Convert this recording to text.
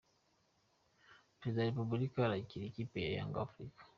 Perezida wa Repubulika arakira ikipe ya Yanga Afurika